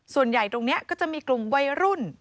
ส่วนใหญ่ตรงนี้ก็จะมีกลุ่มวัยรุ่น